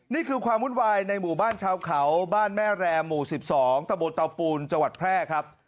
นี่คือความวุ่นวายในหมู่บ้านชาวเขาบ้านแม่แรมหมู่๑๒ตะบนเตาปูนจังหวัดแพร่ครับ